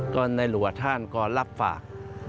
ก็ในหลวงท่านก็รับฝาก